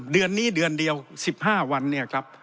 เดือนนี้เดือนเดียว๑๕วันเนี่ยครับ